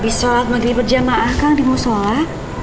abis sholat maghrib berjamaah kang dimau sholat